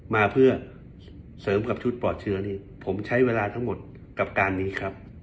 มาเพื่อเสริมกับชุดปลอดเชื้อนี่ผมใช้เวลาทั้งหมดกับการนี้ครับ